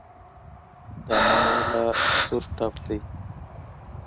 دا نن يې لا سور ټپ دی